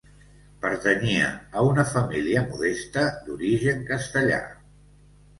Pertanyia a una família modesta d'origen castellà.